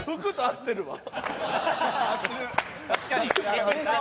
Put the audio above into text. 確かに！